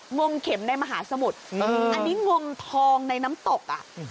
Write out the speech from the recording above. งงเข็มในมหาสมุทรอันนี้งงทองในน้ำตกอ่ะ